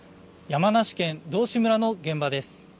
山梨県道志村の現場です。